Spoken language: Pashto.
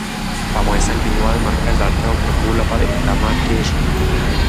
په افغانستان کې د د هېواد مرکز د اړتیاوو پوره کولو لپاره اقدامات کېږي.